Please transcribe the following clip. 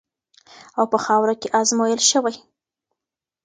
او په خاوره کې ازمویل شوې.